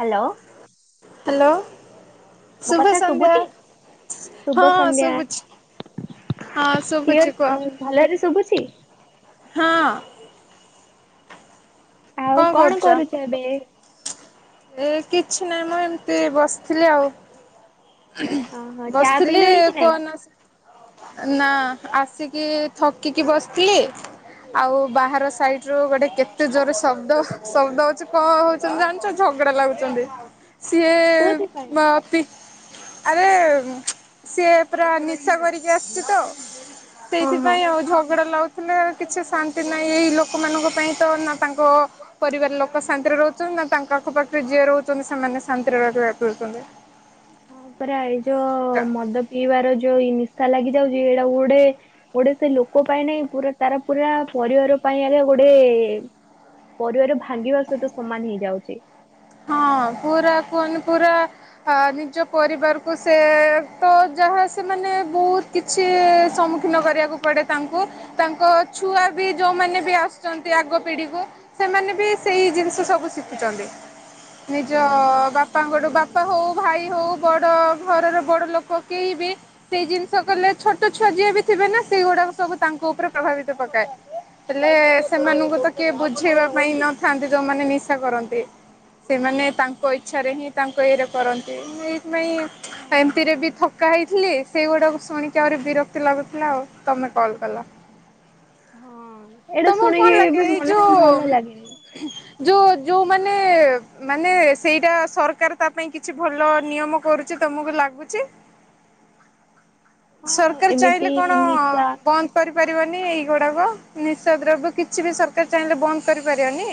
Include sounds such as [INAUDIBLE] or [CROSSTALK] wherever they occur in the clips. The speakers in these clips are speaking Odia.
ହ୍ୟାଲୋ। ହ୍ୟାଲୋ। ମୋ ଶୁଭ କଥା ସନ୍ଧ୍ୟା, ଶୁଭୁଛି? ହଁ ଶୁଭୁଛି। ହଁ ଶୁଭୁଛି କୁହ। କ୍ଳିଅର ଅ-ଅ-ଅ ଭଲରେ ଶୁଭୁଛି? ହଁ। ଆଉ କଣ କରୁଛୁ ଏବେ? ଏ କିଛି ନାହିଁ ମ ଏମିତି ବସିଥିଲି ଆଉ। ଓହୋ ଚା ବସିଥିଲି ପିଇଲଣି କି ନାଇଁ? କୋହନାସି ନା ଆସିକି ଥକିକି ବସିଥିଲି ଆଉ ବାହାର ର ସାଇଡ ରୁ ଗୋଟେ କେତେ ଜୋରେ ଶବ୍ଦ ହ ଶବ୍ଦ ହଉଛି କଣ ହଉଛି ଜାଣିଛ? ଝଗଡ଼ା ଲାଗୁଛନ୍ତି ସିଏ-ଏ-ଏ-ଏ-ଏ କୋଉଥିପାଇଁ? ମା ପି ଆରେ-ଏ-ଏ-ଏ-ଏ ସିଏ ପୁରା ନିଶା କରିକି ଆସିଛି ତ ହଁ ହଁ ସେଇଥିପାଇଁ ଆଉ ଝଗଡା ଲାଗୁ ଥିଲେ କିଛି ଶାନ୍ତି ନାହିଁ ଏଇ ଲୋକମାନଙ୍କ ପାଇଁ ତ ନା ତାଙ୍କ ପରିବାର ଲୋକ ଶାନ୍ତିରେ ରହୁଛନ୍ତି ନା ତାଙ୍କ ତାଙ୍କ ପାଖରେ ଯିଏ ରହୁଛନ୍ତି ସୋମନେ ଶାନ୍ତିରେ ରହିପାରୁଛନ୍ତି। ହଁ ପରା ଏଇ ଯୋ-ଓ-ଓ-ଓ ମଦ ପିଇବାର ଯୋ ଇନି ନିଶା ଲାଗିଛି ଆଉ ଯିଏ ଉଡେ ଉଡେ ସେ ଲୋକ ପାଇଁ ନାଇଁ ପୁରା ତାର ପୁରା ପରିବାର ପାଇଁ ଆରେ ଗୋଟେ ଗୋଟେ-ଏ-ଏ-ଏ ପରିବାର ଭାଙ୍ଗିବା ସହିତ ସମାନ ହେଇଯାଉଛି। ହଁ ପୁରା କୁହନି ପୁରା ଆ ନିଜ ପରିବାରକୁ ସେ-ଏ-ଏ ତ ଯାହା ସେମାନେ ବହୁତ କିଛି-ଇ-ଇ-ଇ ସମ୍ମୁଖୀନ କରିବାକୁ ପଡ଼େ ତାଙ୍କୁ, ତାଙ୍କ ଛୁଆ ବି ଯୋଉମାନେ ବି ଆସୁଛନ୍ତି ଆଗ ପିଢିକୁ, ସେମାନେ ବି ସେଇ ଜିନିଷ ସବୁ ଶିଖୁଛନ୍ତି। ହଁ ନିଜ-ଅ-ଅ-ଅ ବାପାଙ୍କଠୁ ବାପା ହଉ [INAUDIBLE] ଭାଇ ହଉ, ବଡ ଘରର ବଡ ଲୋକ କେହି ବି ସେଇ ଜିନିଷ କଲେ ଛୋଟ ଛୁଆ ଯିଏ ବି ଥିବେ ମାନେ ସେଗୁଡାକ ସବୁ ତାଙ୍କ ଉପରେ ପ୍ରଭାବିତ ପକାଏ। ହେଲେ-ଏ-ଏ ହଁ। ସେମାନଙ୍କୁ ତ କିଏ ବୁଝେଇବା ପାଇଁ ନଥାନ୍ତି, ଯୋଉମାନେ ନିଶା କରନ୍ତି। ସେମାନେ ତାଙ୍କ ଇଚ୍ଛାରେ ହିଁ ତାଙ୍କ ଇଏରେ କରନ୍ତି। ଏଇ ପାଇଁ ହଁ ଏମତିରେ ବି ଥକା ହୋଇ ଥିଲେ ସେଇଗୁଡାକ ଶୁଣିକି ଆହୁରି ବିରକ୍ତି ଲାଗୁଥିଲା ଆଉ, ତମେ କଲ୍ କଲ। ହଁ, ଏଇଟା ତମକୁ ଶୁଣିକି କଣ ଲାଗେ ବି ଏଇ ମନ ଭଲ ଯୋଉ। ଲାଗେନି। ଯୋଉ ଯୋଉମାନେ। ମାନେ ସେଇଟା ସରକାର ତା ପାଇଁ କିଛି ଭଲ ନିୟମ କରୁଛି ତମକୁ ଲାଗୁଛି। [INAUDIBLE] ହଁ ସରକାର ଚାହିଁଲେ ଏମିତି କଣ ନିଶା ବନ୍ଦ କରି- କରି ପାରିବନି ଏଇଗୁଡାକ ନିସା ଦ୍ରବ୍ୟ କିଛି ବି ଚାହିଁଲେ ବନ୍ଦ କରିପାରିବନି।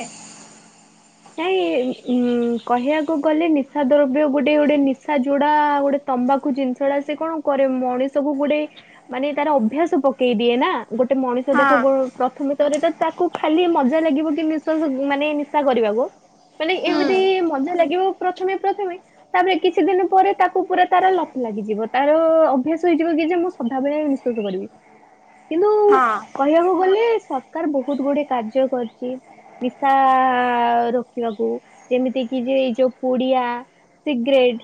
[INAUDIBLE] କାଇଁ ଉଁ କହିବାକୁ ଗଲେ ନିଶା ଦ୍ରବ୍ୟ ଗୋଟେ ଗୋଟେ ନିଶା ଯୋଡା ଗୋଟେ ତମ୍ବାଖୁ ଜିନିଷ ଗୁଡା ସେ କଣ କରେ ମଣିଷକୁ ଗୋଟେ ମାନେ ତାର ଅଭ୍ୟାସ ପକେଇ ଦିଏ ନା ଗୋଟେ ମଣିଷ ଦେଖ ହଁ ଗୋ ପ୍ରଥମ କରି ତ ତାକୁ ଖାଲି ମଜା ଲାଗିବ କି ନିଶ୍ୱାସ ମାନେ ନିଶା କରିବାକୁ ମାନେ ହୁଁ ଏମିତି ମଜା ଲାଗିବ ପ୍ରଥମେ ପ୍ରଥମେ ତାପରେ କିଛି ଦିନ ପରେ ତାକୁ ପୁରା ତାର ଲପ ଲାଗିଯିବ ତାର ଅଭ୍ୟାସ ହେଇଯିବ କି ଯେ ମୁଁ ସଦାବେଳେ ବିଶ୍ୱାସ କରିବି କିନ୍ତୁ ହଁ କହିବାକୁ ଗଲେ ସରକାର ବହୁତ ଗୁଡେ କାର୍ଯ୍ୟ କରିଚି ନିଶା ର ରଖିବାକୁ ଯେମିତି କି ଯେ ଏଇ ଯୋଉ ପୁଡିଆ ସିଗରେଟ୍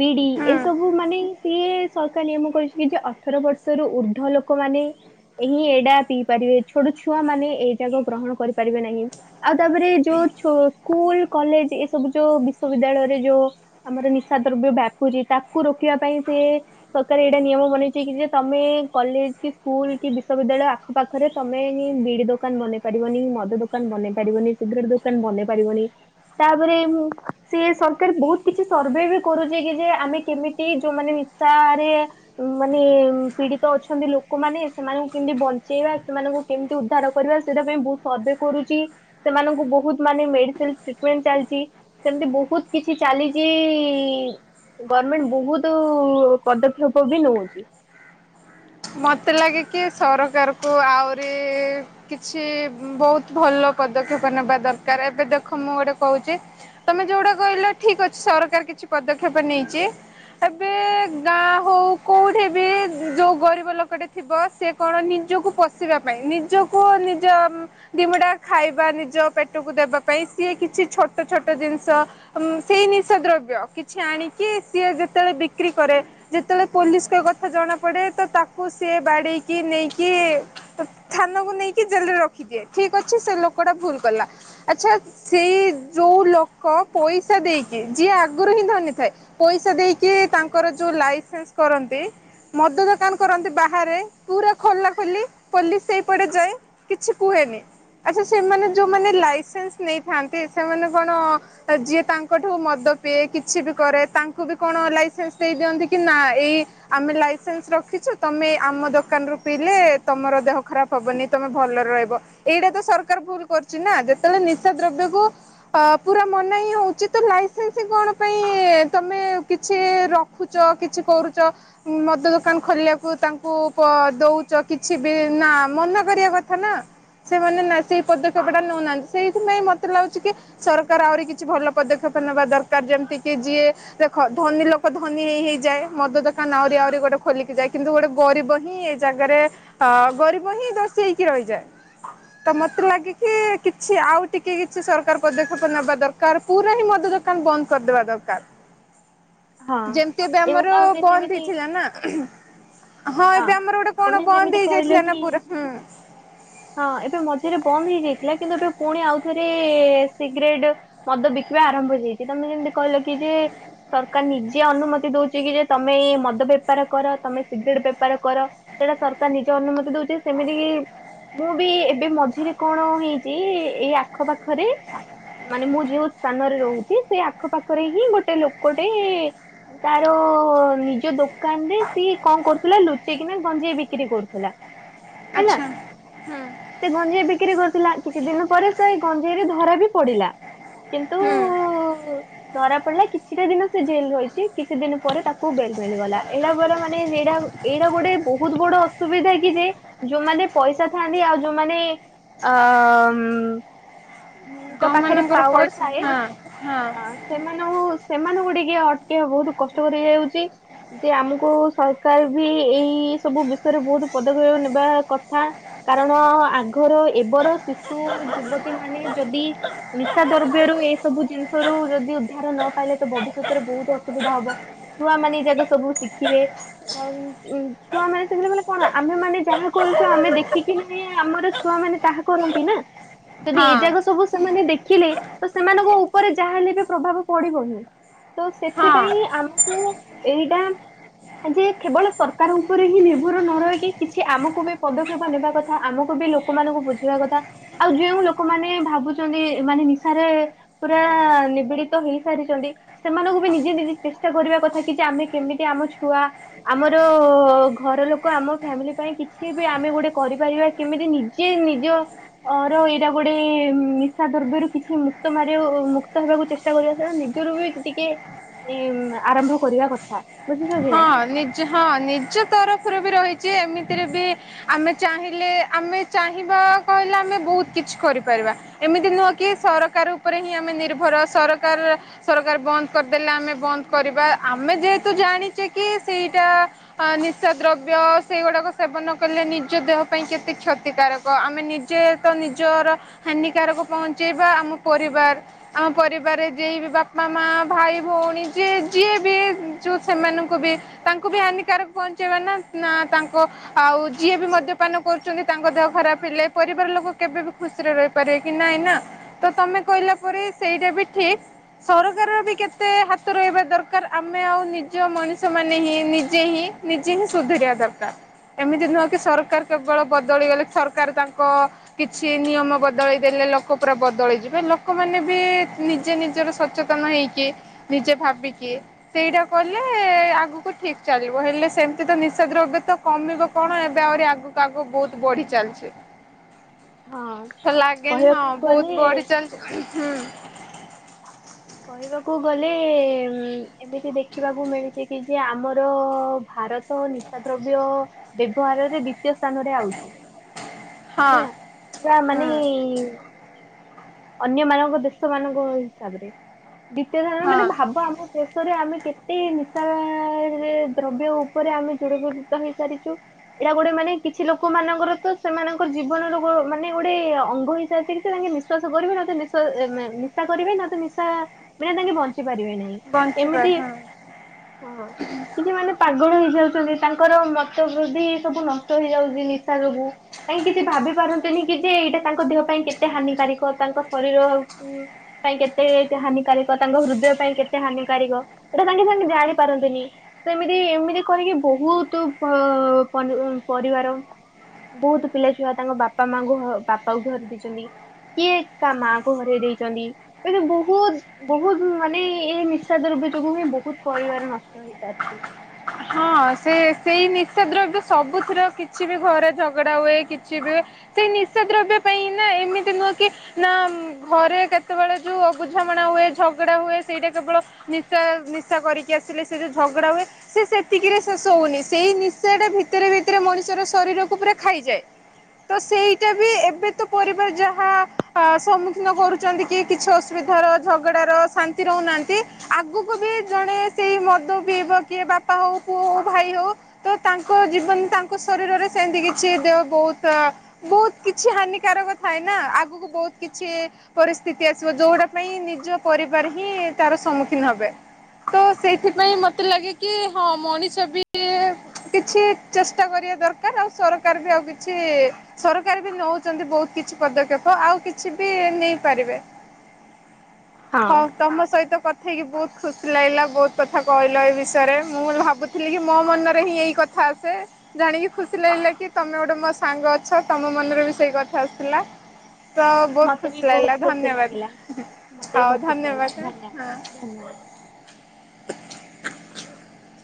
ବିଡି ଏ ହୁଁ। ସବୁ ମାନେ ସିଏ ସରକାର ନିୟମ କରିଚନ୍ତି ଯେ ଅଠର ବର୍ଷରୁ ଉର୍ଦ୍ଧ୍ୱ ଲୋକ ମାନେ ସେହିଁ ଏଇଟା ପିଇ ପାରିବେ ଛୋଟ ଛୁଆ ମାନେ ଏଇ ଯାକ ଗ୍ରହଣ କରିପାରିବେ ନାହିଁ। ଆଉ ତାପରେ ଯୋଉ ଛୋ ସ୍କୁଲ କଲେଜ ଏସବୁ ଯୋଉ ବିଶ୍ୱବିଦ୍ୟାଳୟରେ ଯୋଉ ଆମର ନିଶା ଦ୍ରବ୍ୟ ବ୍ୟାପୁଚି ତାକୁ ରୋକିବା ତା ପାଇଁ ସେ ସରକାର ଏଇଟା ନିୟମ ବନେଇଚି କି ଯେ ତମେ କଲେଜ କି ସ୍କୁଲ କି ବିଶ୍ୱବିଦ୍ୟାଳୟ ଆଖ ପାଖରେ ତମେ ହିଁ ବିଡି ଦୋକାନ ବନେଇ ପାରିବନି ମଦ ଦୋକାନ ବନେଇ ପାରିବନି ସିଗରେଟ୍ ଦୋକାନ ବନେଇ ପାରିବନି। ତାପରେ ଉଁ ସେ ସରକାର ବହୁତ କିଛି ସର୍ଭେ ବି କରୁଚି କି ଯେ ଆମେ କେମିତି ଯୋଉ ମାନେ ଓଶାରେ ମାନେ ପୀଡିତ ଅଛନ୍ତି ଲୋକମାନେ ସେମାନଙ୍କୁ କେମତି ବଞ୍ଚେଇବା ସେମାନେ ସେମାନଙ୍କୁ କେମିତି ଉଦ୍ଧାର କରିବା ସେଟା ପାଇଁ ବହୁତ୍ ସର୍ଭେ କରୁଚି ସେମାନଙ୍କୁ ବହୁତ୍ ମାନେ ମେ ସ୍ପେସାଲ୍ ଟ୍ରିଟମେଣ୍ଟ ଚାଲିଚି ସେମିତି ବହୁତ୍ କିଛି ଚାଲିଚି ଗମେଣ୍ଟ ବହୁତ ପଦକ୍ଷେପ ବି ନଉଚି। ମତେ ଲାଗେ କି ସରକାର କୁ ଆହୁରି କିଛି ବହୁତ ଭଲ ପଦକ୍ଷେପ ନେବା ଦରକାର ଏବେ ଦେଖ ମୁଁ ଗୋଟେ କହୁଚି ତମେ ଯୋଉଟା କହିଲ ଠିକ ଅଛି ସରକାର କିଛି କିଛି ପଦକ୍ଷେପ ନେଇଛି ଏବେ ଗାଁ ହଉ କୋଉଠି ବି ଯୋଉ ଗରିବ ଲୋକଟେ ଥିବ ସେ କଣ ନିଜକୁ ପୋଶିବା ପାଇଁ ନିଜକୁ ନିଜ ଦିମୁଠା ଖାଇ ପାଇଁ ବା ନିଜ ପେଟକୁ ଦେବା ପାଇଁ ସିଏ କିଛି ଛୋଟ ଛୋଟ ଜିନିଷ ଉଁ ସେଇ ନିଶା ଦ୍ରବ୍ୟ କିଛି ଆଣିକି ସିଏ ଯେତେବେଳେ ବିକ୍ରି କରେ ଯେତେବେଳେ ପୋଲିସ୍ କୁ ଏ କଥା ଜଣା ପଡେ ତ ତାକୁ ତାକୁ ସେ ବାଡେଇକି ନେଇକି ଥାନାକୁ ନେଇକି ଜେଲରେ ରଖିଦିଏ ଠିକ୍ ଅଛି ସେ ଲୋକ ଲୋକଟା ଭୁଲ କଲା ଆଛା ସେଇ ଯୋଉ ଲୋକ ପଇସା ଦେଇକି ଯିଏ ଆଗରୁ [INAUDIBLE] ଥାଏ ପଇସା ଦେଇକି ତାଙ୍କର ଯୋଉ ଲାଇସେନ୍ସ କରନ୍ତି ମଦ ଦୋକାନ କରନ୍ତି ବାହାରେ ପୁରା ଖୋଲା ଖୋଲି ପୋଲିସ୍ ସେଇପଟେ ଯାଏ କିଛି କୁହେନି। ଆଚ୍ଛା ସେମାନେ ଯୋଉମାନେ ଲାଇସେନ୍ସ ନେଇଥାନ୍ତି ସେମାନେ କଣ ଯିଏ ତାଙ୍କଠୁ ମଦ ତ ସେ କିଛି ବି କରେ ତାଙ୍କୁ ବି କଣ ଲାଇସେନ୍ସ ଦେଇ ଦିଅନ୍ତି କି ନା ଏଇ ଆମେ ଲାଇସେନ୍ସ ରଖି [INAUDIBLE] ତମେ ଆମ ଦୋକାନରୁ ପିଇଲେ ତମର ଦେହ ଖରାପ ହବନି ତମେ ଭଲରେ ରହିବ ଏଇଟା ତ ସର ସରକାର ଭୁଲ୍ କରୁଛି ନା ଯେତେବେଳେ ନିଶାଦ୍ରବ୍ୟ କୁ ଆଁ ପୁରା ମନା ହିଁ ହଉଛି ତ ଲାଇସେନ୍ସ ହିଁ କ କଣ ପାଇଁ ତମେ କିଛି ରଖୁଛ କିଛି କରୁଛ ମଦ ଦୋକାନ ଖୋଲିବାକୁ। [INAUDIBLE] ତାଙ୍କୁ ପ ଦଉଛ କିଛି ବି ନା ମନା କରିବା କଥା ନା। ସେମାନେ ନା ସେଇ ପଦକ୍ଷେପ ଟା ନଉନାହାନ୍ତି ସେଇଥିପାଇଁ ମତେ ଲାଗୁଛି କି ସରକାର ଆହୁରି କିଛି ଭଲ ପଦକ୍ଷେପ [INAUDIBLE] ନେବା ଦରକାର ଯେମିତି କି ଯିଏ ଦେଖ ଧନୀ ଲୋକ ଧନୀ ହେଇ ହେଇଯାଏ ମଦ ଦୋକାନ ଆହୁରି ଆହୁରି ଗୋଟେ ଖୋଲିକି ଯାଏ କିନ୍ତୁ ଗୋଟେ ଗରିବ ହିଁ ଏଇ ଜାଗାରେ ଅ ଗରିବ ହିଁ ଦୋଷୀ ହେଇକି ରହିଯାଏ। ତ ମତେ ଲାଗେ କି ହଁ। କିଛି ଆଉ ଟି କି କିଛି ସରକାର ପଦକ୍ଷେପ ନେବା ଦରକାର ପୁରା ହିଁ ମଦ ଦୋକାନ ବନ୍ଦ କରିଦେବା ଦରକାର। ହଁ ଯେମତି ଏବେ ଆମର ତମେ ବନ୍ଦ ଯେମିତି ହେଇଥିଲା ନା। ହଁ ଏବେ ଆମର ଗୋଟେ କଣ ତମେ ଯେମିତି ବନ୍ଦ କହିଲ ହେଇଯାଇଥିଲା ନା କି ପୁରା ହୁଁ। ହଁ ଏବେ ମଝିରେ ବନ୍ଦ ହେଇଯାଇଥିଲା କିନ୍ତୁ ଏବେ ପୁଣି ଆଉ ଥରେ ସିଗାରେଟ୍ ମଦ ବିକିବା ଆରମ୍ଭ ହୋଇଯାଇଚି ତମେ ଯେମତି କହିଲ କି ଯେ ସରକାର ନିଜେ ଅନୁମାତି ନୁମତି ଦଉଚି କି ଯେ ତମେ ଏଇ ମଦ ବେପାର କର ତମେ ସିଗରେଟ୍ ବେପାର ବେପାର କର ସେଟା ସରକାର ନିଜ ଅନୁମତି ଦଉଚି ଯେ ସେମିତି କି ମୁଁ ବି ଏବେ ମଝିରେ କଣ ହେଇଚି ଇ ଏଇ ଆଖ ପାଖରେ ମାନେ ମୁଁ ଯଉ ସ୍ଥାନରେ ରହୁଚି ସେ ଆଖପାଖରେ ହିଁ ଗୋଟେ ଲୋକଟେ ତାର ନିଜ ଦୋ କାନ୍ ରେ ସିଏ କଣ କରୁଥିଲା ଲୁଚେଇକିନା ଗଞ୍ଜିେଇ ବିକ୍ରି କରୁଥିଲା। ହେଲା ଆଚ୍ଛା ହୁଁ ସେ ଗଞ୍ଜେଇ ବିକ୍ରୀ କରୁଥିଲା କିଛି ଦିନ ପରେ ସେଇ ଗଞ୍ଜେଇରେ ଧରା ବି ପଡିଲା କିନ୍ତୁ ହୁଁ। ଧରା ପଡିଲା କିଛିଟା ଦିନ ସେ ଜେଲ ରହିଚି କିଛି ଦିନ ପରେ ତାକୁ ବେଲ ମିଳିଗଲା ହେଲା ପରେ ମାନେ ସେଇଟା ଏଇଟା ଗୋଟେ ବହୁତ ବଡ ଅସୁବିଧା କି ଯେ ଯୋଉମାନେ ପଇସା ଥାଆନ୍ତି ଆଉ ଯୋଉମାନେ ଆ ମ୍ ପାଖରେ ଯୋଉମାନଙ୍କର ପାୱାର ପଇସା ଥାଏ ହଁ ହଁ ଆଁ ସେମାନଙ୍କୁ ସେମାନଙ୍କୁ ଟିକେ ଅଟକି ବହୁତ କଷ୍ଟକ ହେଇ ଯାଉଚି ଯେ ଆମକୁ ସରକାର ବି ଏଇ ସବୁ ବିଷୟରେ ବହୁତ ପଦକ୍ଷେପ ନେବା କଥା କାରଣ ଆଗର ଏ ବର ଶିଶୁ ଯୁବତୀ ମାନେ ଯଦି ନିଶା ଦ୍ରବ୍ୟରୁ ଏଇ ସବୁ ଜିନିଷ ରୁ ଯଦି ଏହାର ନ ପାଇଲେ ତ ଭବିଷ୍ୟତରେ ବହୁତ ଅସୁବିଧା ହବ ଛୁଆମାନେ ଏଇ ଯାକ ସବୁ ଶିଖିବେ [UNINTELLIGIBLE] ଛୁଆ ମାନେ ସେତେଲେବେଳେ କଣ ଆମେ ମାନେ ଯାହା କରୁଚୁ ଆମେ ଦେଖିକି ନାହିଁ ଆମର ଛୁଆ ମାନେ ତାହା କରନ୍ତି ନା ଯଦି ଏଇ ଜାଗ ସବୁ ସ ସେମାନେ ଦେଖିଲେ ତ ସେମାନଙ୍କ ଉପରେ ଯାହାହଲେ ବି ପ୍ରଭାବ ପଡିବ ହିଁ ତ ହଁ ହଁ ସେଥିପାଇଁ ଆମକୁ ଏଇଟା ଯେ କେବଳ ସରକାର ଉପରେ ହିଁ ନିର୍ଭର ନ ରହିକି କିଛି ଆମକୁ ବି ପଦକ୍ଷେପ ନେବା କଥା ଆମକୁ ବି ଲୋକମାନକୁ ବୁଝିବା କଥା ଆଉ ଯୋଉ ଲୋକମାନେ ଭାବୁଚନ୍ତି ମାନେ ନିଶାରେ ପୁରା ନିବିଡି ସିଏ ତ ହେଇସାରିଚନ୍ତି। ସେମାନଙ୍କୁ ବି ନିଜେ ନିଜେ ଚେଷ୍ଟା କରିବା କଥା କି ଯେ ଆମେ କେମିତି ଆମ ଛୁଆ ଆମର ଘର ଲୋକ ଆମ ଫ୍ୟାମିଲି ପାଇଁ କିଛି ବି ଆମେ ଗୋଟେ କରିପାରିବା କେମିତି ନିଜେ ନିଜ ଅ ର ଏଇଟା ଗୋଟେ ନିଶା ଦ୍ରବ୍ୟରୁ କିଛି ମୁକ୍ତ ମାରିବା ଉ ଉମୁକ୍ତ ହେବାକୁ ଚେ ଷ୍ଟା କରିବା ଦ୍ବାରା ନିଜରୁ ବି ଟିକେ ଆରମ୍ଭ କରିବା କଥା ବୁଝୁଚ କି ନାଇଁ। ହଁ ନିଜ ହଁ ନିଜ ତରଫରୁ ବି ରହିଚି। ଏମିତିରେ ବି ଆମେ ଚାହିଁଲେ ଆମେ ଚାହିଁବା [UNINTELLIGIBLE] କହିଲ ଆମେ ବୋହୁତ କିଛି କରିପାରିବା। ଏମିତି ନୁହଁ ସରକାର ଉପରେ ହିଁ ଆମେ ନିର୍ଭର ସରକା ର ସରକାର ବନ୍ଦ କରିଦେଲେ। ଆମେ ବନ୍ଦ କରିବା। ଆମେ ଯେହେତୁ ଜାଣି ଚେ କି ସେଇଟା ନିଶା ଦ୍ରବ୍ୟ ସେଇଗୁଡାକ ସେବନ କଲେ ନିଜ ଦେହ ପାଇଁ କେତେ କ୍ଷତିକାରକ ଆମେ ନିଜେ ତ ନିଜର ହାନିକାରକ ପହଞ୍ଚେଇବା। ଆମ ପରିବାର ଆମ ପରିବାରରେ ଯିଏ ବି ବାପା ମା ଭାଇ ଭଉଣୀ ଯିଏ ଯିଏ ବି ଯୋଉ ସେମାନଙ୍କୁ ତାଙ୍କୁ ବି ତାଙ୍କୁ ହାନିକାରକ ପହଞ୍ଚେଇବା ନା ନା ତାଙ୍କ ଆଉ ଯିଏ ବି ମଦ୍ୟପାନ କରୁଚନ୍ତି ତାଙ୍କ ଦେହ ଖରାପ ହେଲେ ପରିବାର ଲୋକ କେବେ ବି ଖୁସିରେ ରହିପାରିବେ କି ନାଇଁ ନା ତମେ କହିଲା ପରେ ସେଇଟା ବି ଠିକ୍ ସରକାର ବି କେତେ ହାତ ରହିବା ଦରକାର ଆମେ ଆଉ ନିଜ ମଣି ଷ ମାନେ ହିଁ ନିଜେ ହିଁ ନିଜେ ହିଁ ସୁଧୁରିବା ଦରକାର। ଏମିତି ନୁହଁ କି ସରକାର କେବଳ ବଦଳିଗଲେ। ସରକାର ତାଙ୍କ କିଛି ନିୟମ ବଦଳେଇ ଦେ ଲେ ଲୋକ ପୁରା ବଦଳଯିବ ଲୋକମାନେ ବି ନିଜେ ନିଜର ସଚେତନ ହେଇକି ନିଜେ ଭା ବିକି ସେଇଟା କଲେ ଏ ଆଗକୁ ଠିକ୍ ଚାଲିବ ହେଲେ ସେମିତି ତ ନିଶା ଦ୍ରବ୍ୟ ତ କମିବ କଣ ଏବେ ଆହୁରି ଆଗକୁ ଆଗ ବୋହୁତ ବଢି ଚାଲିଚି। ହଁ ଲାଗେନି ହଁ କହିବାକୁ ବୋହୁତ ଗଲେ ବଢି ଚାଲଚି ହୁଁ। କହିବାକୁ ଗଲେ ଏମିତି ଦେଖିବାକୁ ମିଳିଛି କି ଯେ ଆମର ଭାରତ ନିଶା ଦ୍ରବ୍ୟ ବ୍ୟବହାରରେ ବି ଦ୍ୱିତୀୟ ସ୍ଥାନ ରେ ଆଉଛି ହଁ ହେଲା ପୁରା ମାନେ ହୁଁ ଅନ୍ୟ ମାନଙ୍କ ଦେଶ ମାନଙ୍କ ହିସାବରେ। ଦ୍ୱିତୀୟ ଧରଣ ହଁ ମାନେ ଭାବ ଆମ ଶେଷରେ ଆମେ କେତେ ନିଶା ଦ୍ରବ୍ୟ ଉପରେ ଆମେ ଯୁଡ଼ିତ ହେଇସାରିଛୁ ଏଇଟା ଗୋଟେ ମାନେ ମାନେ କିଛି ଲୋକ ମାନଙ୍କର ତ ସେମାନଙ୍କର ଜୀବନର ମାନେ ଗୋଟେ ଅଙ୍ଗ ହିସାବରେ ସେ ତାଙ୍କେ ନିଶ୍ଵାସ କର [UNINTELLIGIBLE] ନିଶା କରିବେ ନ ତ ନିଶା ମାନେ ତାଙ୍କେ ବଞ୍ଚିବ ବଞ୍ଚିପାର ଏମିତି ହଁ ହଁ କିଛି ମାନେ ପାଗଳ ହେଇଯାଉ ତାଙ୍କର ମତ ବୃଦ୍ଧି ସବୁ ନଷ୍ଟ ହେଇଯାଉଛି ନିଶା ଯୋଗୁ କାହିଁକି କିଛି ଭାବି ପାରନ୍ତିନି। କି ଯେ ଏଇଟା ତାଙ୍କ ଦେହ ପାଇଁ କେତେ ହାନିିକାରକ ତାଙ୍କ ଶରୀର ଉଁ ପାଇଁ କେତେ କେତେ ହାନିିକାରକ ତାଙ୍କ ହୃଦୟ ପାଇଁ କେତେ ହାନିିକାରକ ଏଟା ସାଙ୍ଗେ ସାଙ୍ଗେ ଜାଣିପାରନ୍ତିନି ସେମିତି ଏମିତି କରିକି ବହୁତ ପରିବାର। ବହୁତ ପିଲା ଛୁଆ ତାଙ୍କ ବାପା ମାଙ୍କୁ ବାପାକୁ ଧରି ଦେଇଛନ୍ତି। କିଏ କା ମାଙ୍କୁ ଘରେ ଦେଇଛନ୍ତି ଏମି ବହୁତ ବହୁତ ମାନେ ଏ ନିଃଶା ଦ୍ରବ୍ୟ ଯୋଗୁ ହିଁ ବହୁତ ପରିବାର ନଷ୍ଟ ହେଇପାରିଛି। ହଁ ସେ ସେଇ ନିଶା ଦ୍ରବ୍ୟ ସବୁଥିର କିଛି ବି ଘରେ ଝଗଡା ହୁଏ କିଛି ବି ହୁଏ ସେ ନିଶା ଦ୍ରବ୍ୟ ପାଇଁ ନା ଏମିତି ନୁହଁ କି ନା ଘରେ କେତେବେଳେ ଯୋଉ ବୁଝାମଣା ହୁଏ। ଝଗଡା ହୁଏ ସେଇଟା କେବଳ ନିଶା ନିଶା କରିକି ଆସିଲେ ସେ ଝଗଡା ହୁଏ ସେ ସେ ଏତିକିରେ ଶେଷ ହଉନି ସେଇ ନିଶ୍ଚୟ ଟା ଭିତରେ ଭିତରେ ମଣିଷର ଶରୀରକୁ ପୁରା ଖାଇଯାଏ। ତ ସେଇଟା ବି ଏବେ ତ ପରିବାର ଯାହା ସମ୍ମୁଖୀନ କରୁଛନ୍ତି କି କିଛି ଅସୁବିଧ ାର ଝଗଡାର ଶାନ୍ତି ରହୁନାହାନ୍ତି ଆଗକୁ ବି ଜଣେ ସେଇ ମଧୁ ପିବ କିଏ ବାପ ବାପା ହଉ ପୁଅ ହଉ ଭାଇ ହଉ ତ ତାଙ୍କ ଜୀବନ ତାଙ୍କ ଶରୀରରେ ସେମିତି କିଛି ଦେହ ବହୁତ ବୋହୁତ କିଛି ହାନିକାରକ ଥାଏ ନା ଆଗକୁ ବୋହୁତ କିଛି ପରିସ୍ଥିତି ଆସିବ ଯୋଉଟା ପାଇଁ ନିଜ ପରିବାର ହିଁ ତାର ସମ୍ମୁଖୀନ ହେବେ। ତ ସେଇଥିପାଇଁ ମତେ ଲାଗେ କି ହଁ ମଣିଷ ବି କିଛି ଚେଷ୍ଟା କରିବା ଦରକାର ଆଉ ସରକାର ବି ଆଉ କିଛି ସରକାର ବି ନୋଉଚନ୍ତି ବୋହୁତ କିଛି ପଦକ୍ଷେପ ଆଉ କିଛି ବି ନେଇପାରିବେ। ହଁ। ହୋଉ ତମ ସହିତ କଥା ହେଇକି ବୋହୁତ ଖୁସି ଲାଗିଲା ବୋହୁତ କଥା କହିଲ ଏ ବିଷୟରେ। ମୁଁ ଭାବୁଥିଲି କି ମୋ ମନରେ ହିଁ ଏଇ କଥା ଆସେ ଜାଣିକି ଖୁସି ଲାଗିଲେ କି ତମେ ଗୋଟେ ମୋ ସାଙ୍ଗ ଙ୍ଗ ଅଛ ତମ ମନରେ ବି ସେଇ କଥା ଆସିଲା। ତ ବୋହୁତ ମତେ ବି ଖୁସି ବହୁତ ଲାଗିଲା ଖୁସି ଲାଗିଲା ଧନ୍ୟବାଦ ମତେ ବି ହୋଉ ବହୁତ ଖୁସି ଧନ୍ୟବାଦ ଲାଗିଲା ହଁ। ଧନ୍ୟବାଦ ଧନ୍ୟବାଦ। [INAUDIBLE]